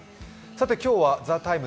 今日は「ＴＨＥＴＩＭＥ，」